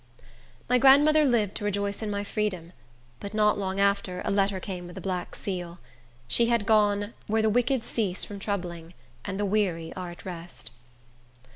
My grandmother lived to rejoice in my freedom; but not long after, a letter came with a black seal. She had gone "where the wicked cease from troubling, and the weary are at rest."